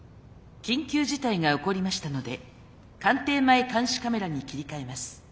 緊急事態が起こりましたので官邸前監視カメラに切り替えます。